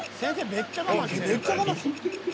めっちゃ我慢してる］